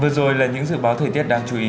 vừa rồi là những dự báo thời tiết đáng chú ý